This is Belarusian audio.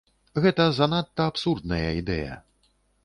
Гэта занадта абсурдная ідэя.